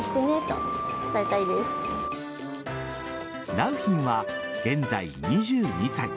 良浜は現在、２２歳。